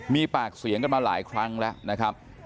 มีปากเสียงกันมาหลายครั้งแล้วนะครับ